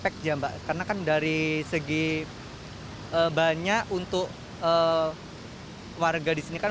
karena kan dari segi banyak untuk warga di sini kan